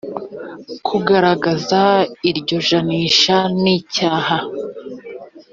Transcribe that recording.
kugaragaza iryo janisha nicyaha